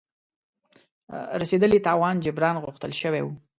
رسېدلي تاوان جبران غوښتل شوی وو.